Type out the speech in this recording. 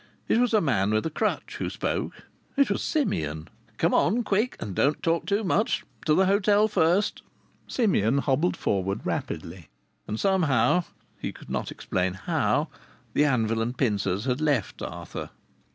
It was a man with a crutch who spoke. It was Simeon. "Come on, quick, and don't talk too much! To the hotel first." Simeon hobbled forward rapidly, and somehow (he could not explain how) the anvil and pincers had left Arthur.